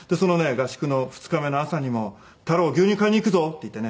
合宿の２日目の朝にも「太郎牛乳買いに行くぞ」って言ってね